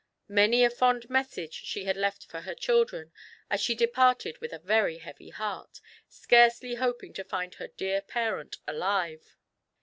Many a fond message she had left for her children, as she de parted with a very heavy heart, scarcely hoping to find her dear parent alive.